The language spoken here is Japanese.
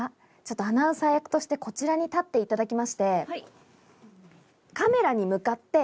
アナウンサー役として、こちらに立っていただきまして。